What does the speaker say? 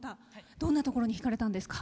どんなところに引かれたんですか？